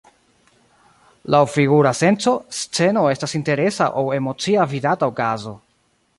Laŭ figura senco, sceno estas interesa aŭ emocia vidata okazo.